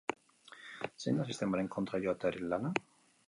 Zein da sistemaren kontra joatearen lana?